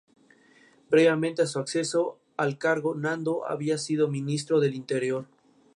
Aunque aún se siguen comercializando sus producciones como Nickelodeon Movies.